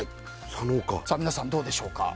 皆さん、どうでしょうか？